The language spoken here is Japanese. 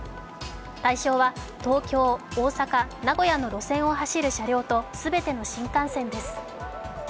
対象は東京・大阪・名古屋の路線を走る列車と全ての新幹線です。